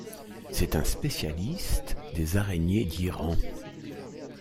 C'est un spécialiste des araignées d'Iran.